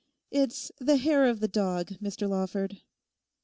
It's "the hair of the dog," Mr Lawford.